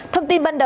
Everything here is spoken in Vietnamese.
thông tin bản địa